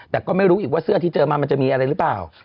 แต่ก็ไม่รู้อีกว่าเสื้อที่เจอมามันจะมีอะไรหรือเปล่า